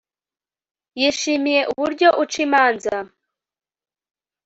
yishimiye uburyo uca imanza